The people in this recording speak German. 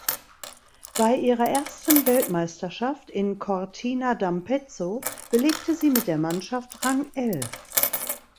Bei ihrer ersten Weltmeisterschaft in Cortina d’Ampezzo belegte sie mit der Mannschaft Rang elf.